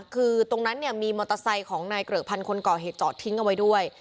คือตรงนั้นมีมอเตอร์ไซส์ของไนเกรอะพันคนก่อเหตุเจาะทิ้งเอาไว้ด้วย